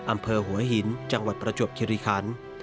อำเภอหัวหินจังหวัดประจวบคิริคัน